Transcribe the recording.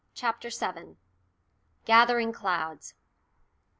CHAPTER VII. GATHERING CLOUDS.